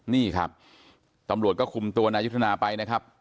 นี่ครับตำรวจก็คุมตัวนายุทธนาไปนะครับ